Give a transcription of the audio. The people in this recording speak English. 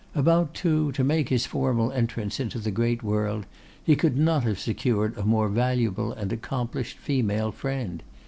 About, too, to make his formal entrance into the great world, he could not have secured a more valuable and accomplished female friend.